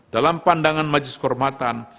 dalam pandangan majlis kormatan